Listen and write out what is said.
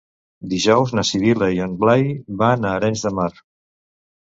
Dijous na Sibil·la i en Blai van a Arenys de Mar.